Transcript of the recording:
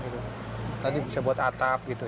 tadi bisa buat atap gitu